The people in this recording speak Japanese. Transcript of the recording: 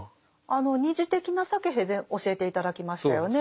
あの「二次的なサケヘ」で教えて頂きましたよね。